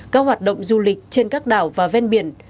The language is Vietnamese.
các hoạt động du lịch trên các đảo và ven biển